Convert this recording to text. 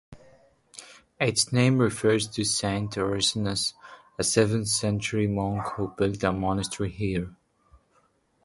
Its name refers to Saint Ursicinus, a seventh-century monk who built a monastery here.